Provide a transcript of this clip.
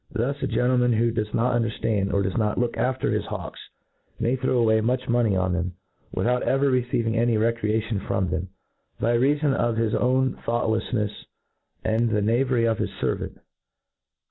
Thus, a gentleman who does not underitand, or does not look after his hawks, may throw away much money on them, without ever receiving any recreation from them, by reafon of his own thoughtleffncfe, and the knavery of his fcrvant.